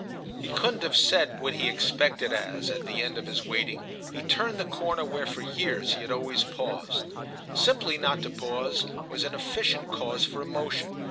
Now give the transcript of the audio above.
He couldn't have said what he expected as, at the end of his waiting, he turned the corner where for years he had always paused; simply not to pause was a efficient cause for emotion.